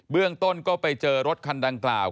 เรื่องต้นก็ไปเจอรถคันดังกล่าว